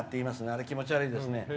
あれ気持ち悪いですね。